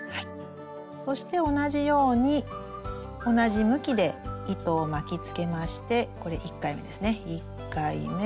そして同じように同じ向きで糸を巻きつけましてこれ１回目ですね